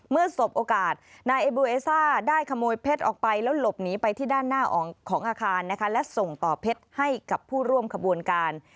สบโอกาสนายเอบูเอซ่าได้ขโมยเพชรออกไปแล้วหลบหนีไปที่ด้านหน้าของอาคารนะคะและส่งต่อเพชรให้กับผู้ร่วมขบวนการ